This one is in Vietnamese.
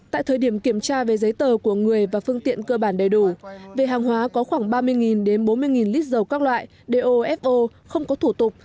tại thời điểm kiểm tra về giấy tờ của người và phương tiện cơ bản đầy đủ về hàng hóa có khoảng ba mươi đến bốn mươi lít dầu các loại dofo không có thủ tục